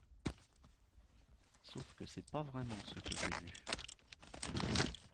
Sauf que c’est pas vraiment ce que j’ai vu.